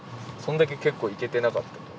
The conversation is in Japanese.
そんだけ結構行けてなかった。